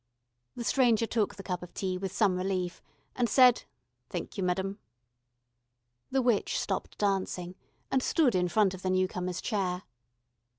The stranger took the cup of tea with some relief, and said: "Thenk you, meddem." The witch stopped dancing, and stood in front of the newcomer's chair.